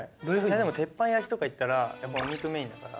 でも鉄板焼きとか行ったら、お肉メインかな。